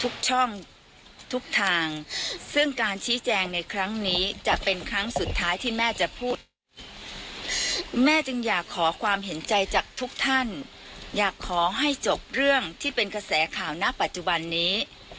คุณแม่จึงอยากขอความเห็นใจจากทุกท่านอยากขอให้จบเรื่องที่เป็นกระแสข่าวณะปัจจุบันนี้